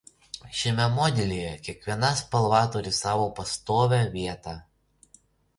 Šiame modelyje kiekviena spalva turi savo pastovią vietą.